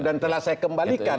dan telah saya kembalikan